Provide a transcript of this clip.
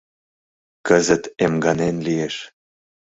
Кызыт эмганен лиеш.